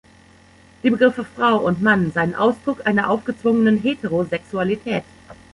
Die Begriffe "Frau" und "Mann" seien Ausdruck einer aufgezwungenen Heterosexualität.